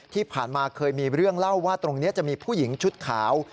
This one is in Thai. ที่ผ่านมาเคยมีเรื่องเล่าว่าตรงนี้จะมีผู้หญิงชุดขาว